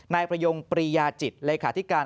นายประยงปรียาจิตเลขาธิการ